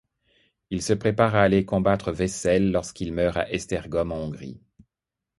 Il se prépare à aller combattre Wecel lorsqu'il meurt à Esztergom en Hongrie.